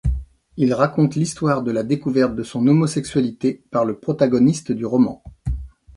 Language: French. Il raconte l'histoire de la découverte de son homosexualité par le protagoniste du roman.